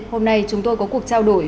hôm nay chúng tôi có cuộc trao đổi